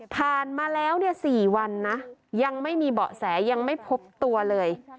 ผ่านมาแล้ว๔วันนะยังไม่มีเบาะแสยังไม่พบตัวเลย